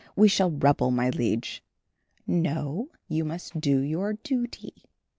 We shall rebel, my liege." "No, you must do your duty."